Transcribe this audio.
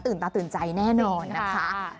ตาตื่นใจแน่นอนนะคะ